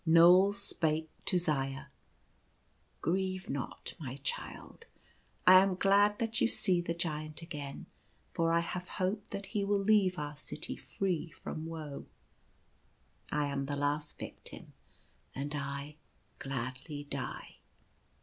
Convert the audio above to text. Knoal spake to Zaya :" Grieve not, my child. I am glad that you see the Giant again, for I have hope that he will leave our city free from woe. I am the last victim, and I gladly die."